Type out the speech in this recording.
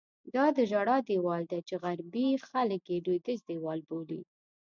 دا د ژړا دیوال دی چې غربي خلک یې لوېدیځ دیوال بولي.